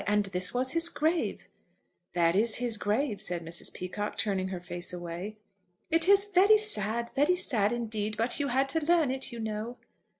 And this was his grave?" "That is his grave," said Mrs. Peacocke, turning her face away. "It is very sad; very sad indeed; but you had to learn it, you know."